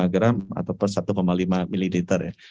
satu lima gram atau per satu lima mililiter